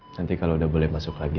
nanti kalau udah boleh masuk lagi